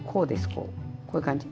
こうこういう感じ。